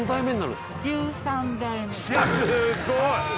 すごい。